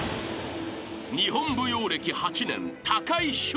［日本舞踊歴８年］